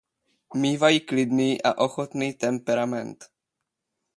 Mívají klidný a ochotný temperament.